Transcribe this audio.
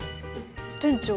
店長